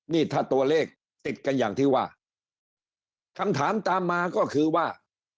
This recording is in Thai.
นี่ถ้าตัวเลขติดกันอย่างที่ว่าคำถามตามมาก็คือว่า